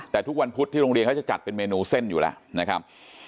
แต่ทุกวันพุธที่โรงเรียนเขาจะจัดเป็นเมนูเส้นอยู่แล้วนะครับ